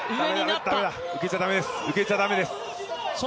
受けちゃ駄目です。